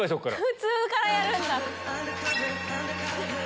普通からやるんだ。